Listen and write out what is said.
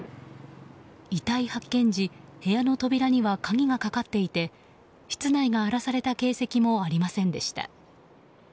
遺体発見時部屋の扉には鍵がかかっていて室内が荒らされた形跡もありませんでした。